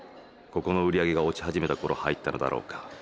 ここの売り上げが落ち始めた頃入ったのだろうか？